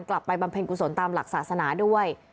บำเพ็ญกุศลตามหลักศาสนาด้วย